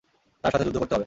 তার সাথে যুদ্ধ করতে হবে।